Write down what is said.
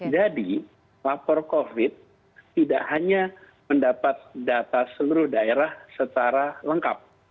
jadi lapor covid tidak hanya mendapat data seluruh daerah secara lengkap